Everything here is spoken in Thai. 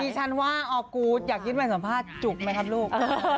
พิชันว่าออกกุ๊ดอยากยินใหม่สัมภาษณ์จุกไหมครับลูก